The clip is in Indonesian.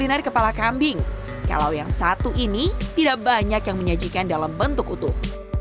kuliner kepala kambing kalau yang satu ini tidak banyak yang menyajikan dalam bentuk utuh